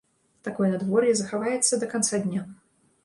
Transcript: Такое надвор'е захаваецца да канца дня.